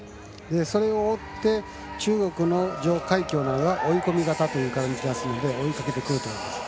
それを追って、中国の徐海蛟が追い込み型という感じがするので追いかけてくると思います。